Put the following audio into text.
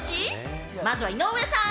まずは井上さん。